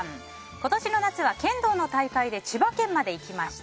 今年の夏は剣道の大会で千葉県まで行きました。